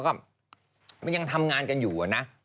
ก็มันยังทำงานกันอยู่อะนะ